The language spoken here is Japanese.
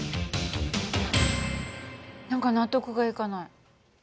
何か納得がいかない。